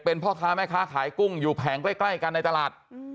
เป็นพ่อค้าแม่ค้าขายกุ้งอยู่แผงใกล้กันในตลาด